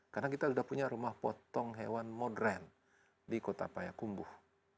karena kita sudah punya rumah potong hewan modern di kota payakumbuh